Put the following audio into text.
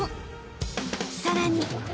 ［さらに］